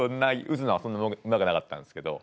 打つのはそんなうまくなかったんですけど。